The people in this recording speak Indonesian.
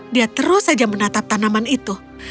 dia terus saja menatap tanaman itu